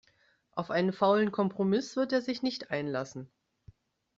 Auf einen faulen Kompromiss wird er sich nicht einlassen.